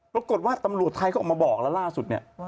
ปรากฏว่าตำรวจไทยเขาออกมาบอกล่างล่าสุด